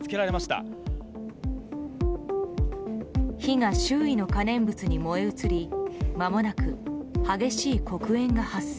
火が周囲の可燃物に燃え移りまもなく、激しい黒煙が発生。